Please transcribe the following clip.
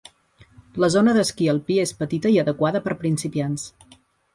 La zona d'esquí alpí és petita i adequada per a principiants.